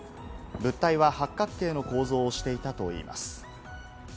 物体は八角形の構造をしていたといいます。